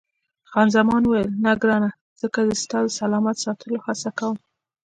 خان زمان وویل، نه ګرانه، ځکه زه ستا د سلامت ساتلو هڅه کوم.